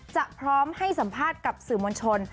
พร้อมให้สัมภาษณ์กับสื่อมวลชน